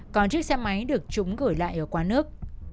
còn chiếc xe máy được chúng gửi lại ở quán nước